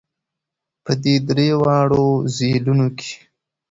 په دې درېواړو ځېلونو کې